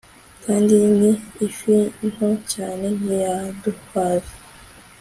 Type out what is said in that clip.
Kandi ni ifi nto cyane ntiyaduhaza